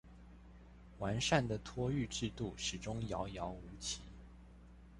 完善的托育制度始終遙遙無期